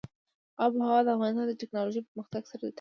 آب وهوا د افغانستان د تکنالوژۍ پرمختګ سره تړاو لري.